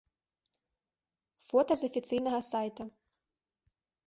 Фота з афіцыйнага сайта.